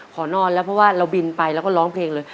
ขอนอนแล้วเพราะว่าเราบินไปแล้วก็ร้องเพลงเลย